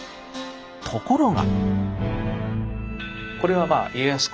ところが。